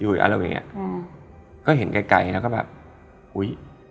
อยู่อีกอันแล้วแบบเงี้ยอืมก็เห็นไกลไกลแล้วก็แบบอุ้ย